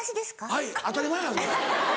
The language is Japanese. はい当たり前やんそれ。